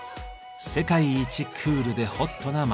世界一クールでホットな街。